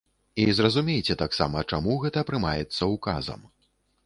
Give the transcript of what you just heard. І зразумейце таксама, чаму гэта прымаецца ўказам.